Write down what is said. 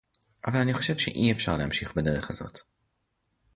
אבל אני חושב שאי-אפשר להמשיך בדרך הזאת